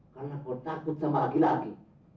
karena kau takut sama lagi lagi